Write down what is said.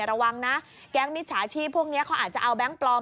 ระวังนะแก๊งมิจฉาชีพพวกนี้เขาอาจจะเอาแก๊งปลอม